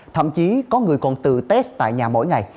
thậm chí có người còn tự test tại nhà mỗi ngày